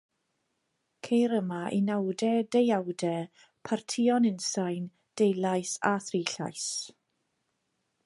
Ceir yma unawdau, deuawdau, partïon unsain, deulais a thri llais.